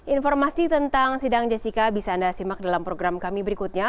informasi tentang sidang jessica bisa anda simak dalam program kami berikutnya